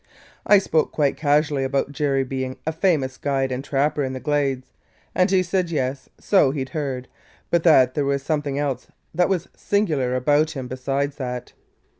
I spoke quite casually about Jerry being a famous guide and trapper in the Glades; and he said yes, so he 'd heard, but that there was something else that was singular about him beside that.